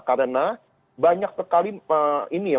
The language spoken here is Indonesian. karena banyak sekali ini ya